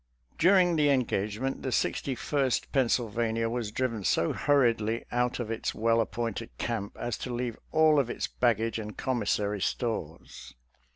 During the engagement, the Sixty first Penn sylvania was driven so hurriedly out of its well appointed camp as to leave all of its baggage and commissary stores.